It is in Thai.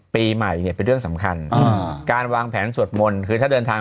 ปีใหม่เนี่ยเป็นเรื่องสำคัญอ่าการวางแผนสวดมนต์คือถ้าเดินทาง